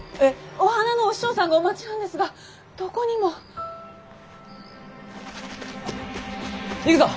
お花のお師匠さんがお待ちなんですがどこにも。行くぞ！